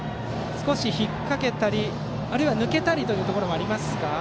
少し引っ掛けたりあるいは抜けたりというところはありますか。